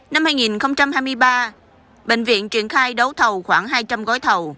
bệnh viện chợ rẫy tp hcm năm hai nghìn hai mươi ba bệnh viện triển khai đấu thầu khoảng hai trăm linh gói thầu